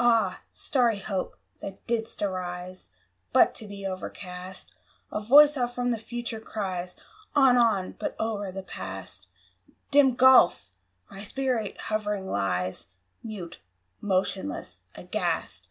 Ah, starry Hope! that didst arise But to be overcast! A voice from out the Future cries, "On! on!" but o'er the Past (Dim gulf!) my spirit hovering lies Mute, motionless, aghast!